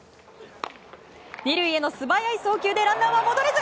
２塁への素早い送球でランナーは戻れず。